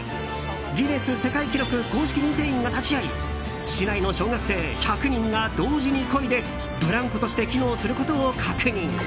ギネス世界記録公式認定員が立ち会い市内の小学生１００人が同時にこいでブランコとして機能することを確認。